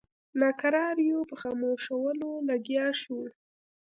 ناکراریو په خاموشولو لګیا شو.